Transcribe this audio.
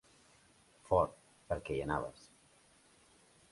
Fort, perquè hi anaves.